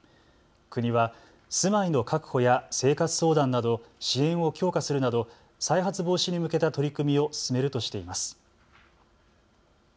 国は住まいの確保や生活相談など支援を強化するなど再発防止に向けた取り組みを進めるとしています。